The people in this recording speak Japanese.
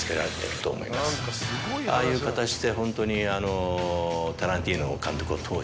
ああいう形でホントに。